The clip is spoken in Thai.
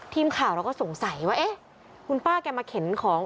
ทีมข่าวเราก็สงสัยว่าเอ๊ะคุณป้าแกมาเข็นของ